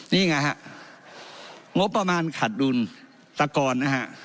นี่ไงครับงบประมาณขาดดุลตะกอน